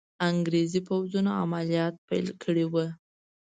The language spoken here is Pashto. انګریزي پوځونو عملیات پیل کړي وو.